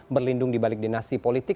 berlindung dibalik dinasti politik